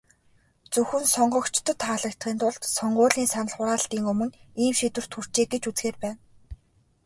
Зөвхөн сонгогчдод таалагдахын тулд, сонгуулийн санал хураалтын өмнө ийм шийдвэрт хүрчээ гэж үзэхээр байна.